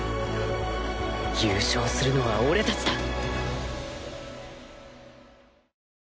優勝するのは俺達だ！